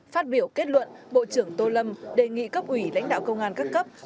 phát biểu kết luận bộ trưởng tô lâm đề nghị cấp ủy lãnh đạo công an các cấp